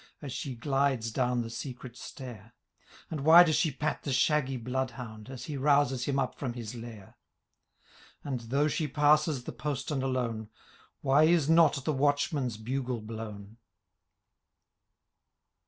As she glides down the secret stair ; And why does she pat the shaggy blood hound. As he rouses him up from his lair ; And, though she passes the postern alone. Why is not the watchman's bugle blown